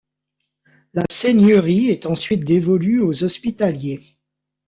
La seigneurie est ensuite dévolue aux hospitaliers.